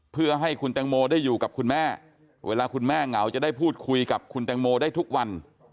เพื่อให้คุณแตงโมได้อยู่กับคุณแม่เวลาคุณแม่เหงาจะได้พูดคุยกับคุณแตงโมได้ทุกวัน